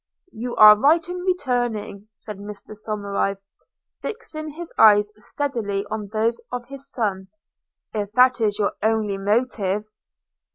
– 'You are right in returning,' said Mr Somerive, fixing his eyes steadily on those of his son, 'if that is your only motive.'